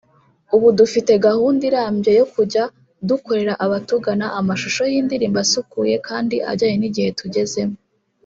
ubu dufite gahunda irambye yo kujya dukorera abatugana amashusho y’indirimbo asukuye kandi ajyanye n’igihe tugezemo